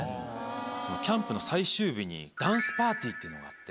そのキャンプの最終日にダンスパーティーっていうのがあって。